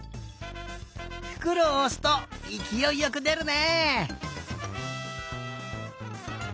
ふくろをおすといきおいよくでるね！